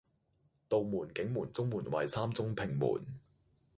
杜門、景門、中門為三中平門